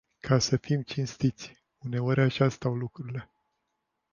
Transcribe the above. Ca să fim cinstiți, uneori așa stau lucrurile.